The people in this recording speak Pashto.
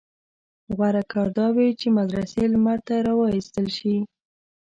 غوره کار دا وي چې مدرسې لمر ته راوایستل شي.